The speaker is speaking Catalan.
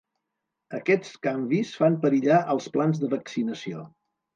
Aquests canvis fan perillar els plans de vaccinació.